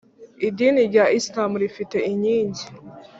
idini rya isilamu rifite inkingi,